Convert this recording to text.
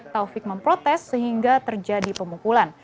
taufik memprotes sehingga terjadi pemukulan